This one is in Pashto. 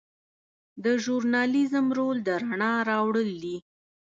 د ژورنالیزم رول د رڼا راوړل دي.